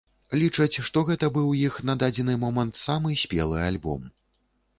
Лічаць, што гэта быў іх, на дадзены момант, самы спелы альбом.